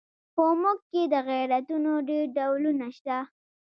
په موږ کې د غیرتونو ډېر ډولونه شته.